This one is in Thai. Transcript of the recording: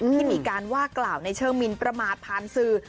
ที่มีการว่ากล่าวในเชิงมินประมาทผ่านสื่อ